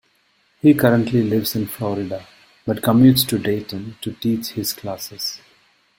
He currently lives in Florida, but commutes to Dayton to teach his classes.